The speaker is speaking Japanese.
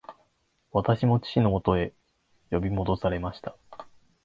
私も父のもとに呼び戻されました